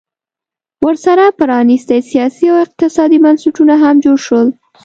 ورسره پرانیستي سیاسي او اقتصادي بنسټونه هم جوړ شول